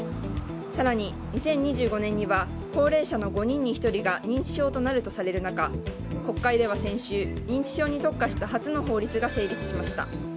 更に、２０２５年には高齢者の５人に１人が認知症となるとされる中国会では先週認知症に特化した初の法律が成立しました。